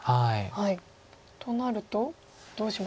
となるとどうしましょう。